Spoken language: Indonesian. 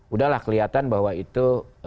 udah lah kelihatan bahwa itu